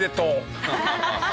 ハハハハ。